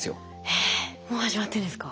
えもう始まってるんですか？